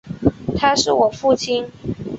他是我父亲